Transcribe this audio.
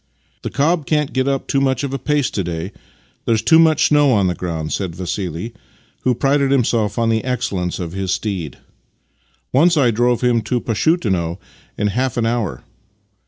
" The cob can't get up much of a pace to day; there's too much snow on the ground," said Vassili, who prided himself on the excellence of his steed. " Once I drove him to Pashutino in half an hour."